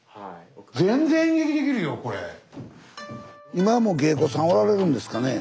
今も芸妓さんはおられるんですかね？